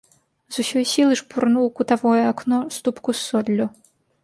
З усёй сілы шпурнуў у кутавое акно ступку з соллю.